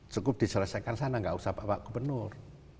cukup diselesaikan sana nggak usah bapak gubernur